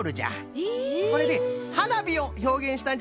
これではなびをひょうげんしたんじゃと。